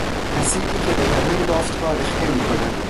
اسیدی که به درون بافتها رخنه میکند